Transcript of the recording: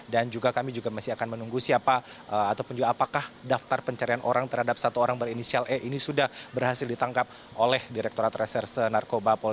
dan juga kami juga masih akan menunggu siapa ataupun juga apakah daftar pencarian orang terhadap satu orang berinisial e ini sudah berhasil ditangkap oleh direkturat reserse narkoba